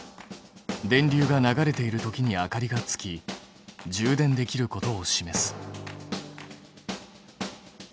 電流が流れているときに明かりがつき充電できることを示す。